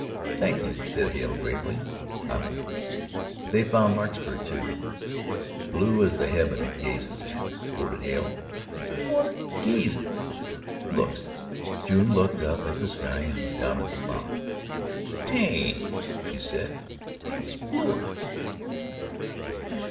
"Thank you," said Hale gravely. "I won't." They found larkspur, too "'Blue as the heaven it gazes at,'" quoted Hale. "Whut's 'gazes'?" "Looks." June looked up at the sky and down at the flower. "Tain't," she said, "hit's bluer."